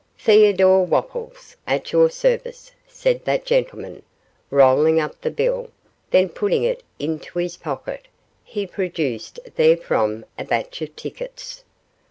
'Theodore Wopples, at your service,' said that gentleman, rolling up the bill, then putting it into his pocket, he produced therefrom a batch of tickets.